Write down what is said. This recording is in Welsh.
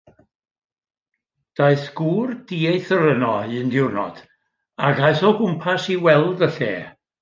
Daeth gŵr dieithr yno un diwrnod, ac aeth o gwmpas i weld y lle.